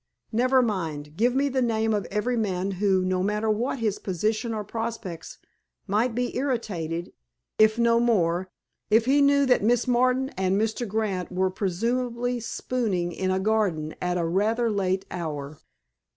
"Never mind. Give me the name of every man who, no matter what his position or prospects, might be irritated, if no more, if he knew that Miss Martin and Mr. Grant were presumably spooning in a garden at a rather late hour."